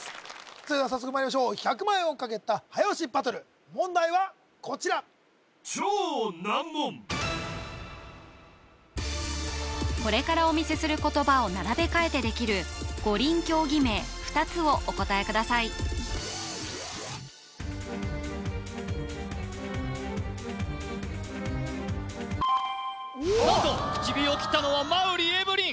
それでは早速まいりましょう１００万円をかけた早押しバトル問題はこちらこれからお見せする言葉を並べ替えてできる五輪競技名２つをお答えください何と口火を切ったのは馬瓜エブリン！